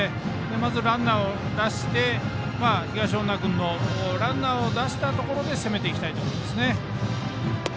まずランナーを出して東恩納君のランナーを出したところで攻めていきたいところです。